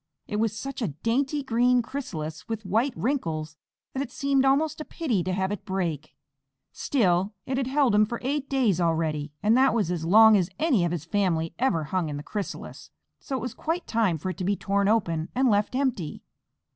It was such a dainty green chrysalis with white wrinkles, that it seemed almost a pity to have it break. Still it had held him for eight days already and that was as long as any of his family ever hung in the chrysalis, so it was quite time for it to be torn open and left empty.